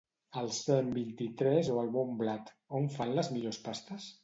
Al Cent vint-i-tres o al Bon blat; on fan les millors pastes?